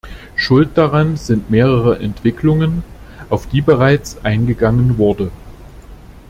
Schuld daran sind mehrere Entwicklungen, auf die bereits eingegangen wurde.